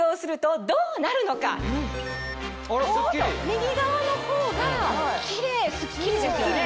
右側のほうがキレイすっきりですよね。